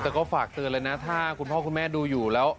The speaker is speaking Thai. แต่ก็ฝากเตือนเลยนะถ้าคุณพ่อคุณแม่ดูอยู่แล้ว